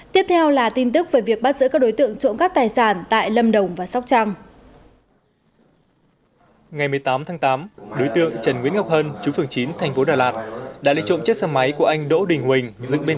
tiếp theo là tin tức về việc bắt giữ các đối tượng trộm cắp tài sản tại lâm đồng và sóc trăng